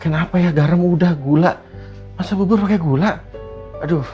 kenapa ya garam udah gula masa bubur pakai gula aduh